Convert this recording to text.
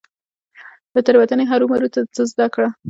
له تيروتني هرمروه څه زده کړه .